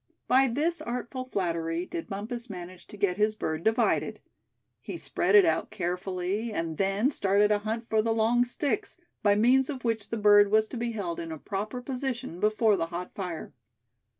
By this artful flattery did Bumpus manage to get his bird divided. He spread it out carefully, and then started a hunt for the long sticks, by means of which the bird was to be held in a proper position before the hot fire.